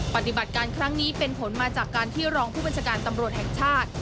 ปฏิบัติการครั้งนี้เป็นผลมาจากการที่รองผู้บัญชาการตำรวจแห่งชาติ